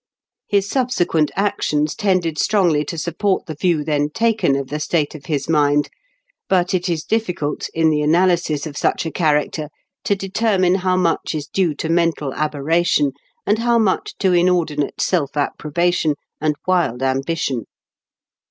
His sub sequent actions tended strongly to support the view then taken of the state of his mind ; but it is difficult, in the analysis of such a character, to determine how much is due to mental aberration, and how much to inordinate self approbation and wild ambition.